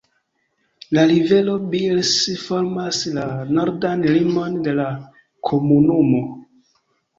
La rivero Birs formas la nordan limon de la komunumo.